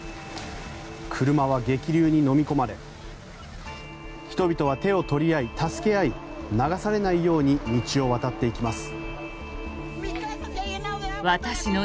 車は激流にのみ込まれ人々は手を取り合い、助け合い流されないように道を渡っていきます。